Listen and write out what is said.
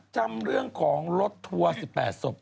จำเรื่องของรถทัวร์๑๘ศพได้ไหมฮะ